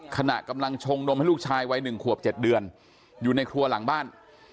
ขณะกำลังชงนมให้ลูกชายวัย๑ขวบ๗เดือนอยู่ในครัวหลังบ้าน